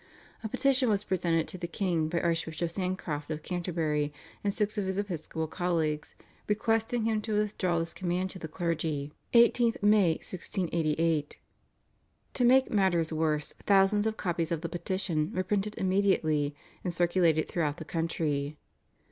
A petition was presented to the king by Archbishop Sancroft of Canterbury and six of his episcopal colleagues requesting him to withdraw this command to the clergy (18 May 1688). To make matters worse thousands of copies of the petition were printed immediately and circulated throughout the country.